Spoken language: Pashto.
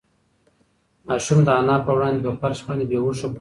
ماشوم د انا په وړاندې په فرش باندې بې هوښه پروت و.